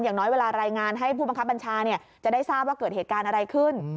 อย่างน้อยเวลารายงานให้ผู้บังคับบัญชาจะได้ทราบว่าเกิดเหตุการณ์อะไรขึ้น